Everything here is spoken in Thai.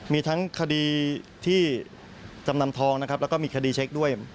มีทั้งคดีที่จำนำทองนะครับแล้วก็มีคดีเช็คด้วย